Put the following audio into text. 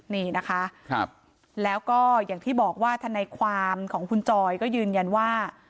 นี่นะคะแล้วก็อย่างที่บอกว่าทนายความของคุณจอยก็ยืนยันว่า